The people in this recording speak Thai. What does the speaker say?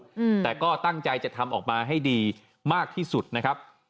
อืมแต่ก็ตั้งใจจะทำออกมาให้ดีมากที่สุดนะครับ